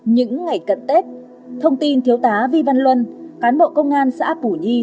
những ngày cận tết thông tin thiếu tá vi văn luân cán bộ công an xã bù nhi